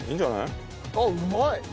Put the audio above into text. あっうまい！